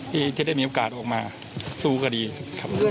ที่จะได้มีโอกาสออกมาสู้คดีครับ